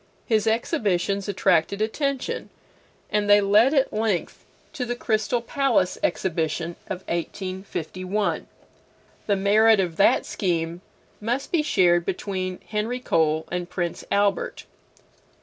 His exhibitions attracted attention, and they led at length to the Crystal Palace Exhibition of 1851. The merit of that scheme must be shared between Henry Cole and Prince Albert.